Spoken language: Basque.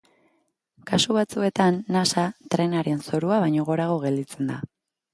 Kasu batzuetan nasa trenaren zorua baino gorago gelditzen da.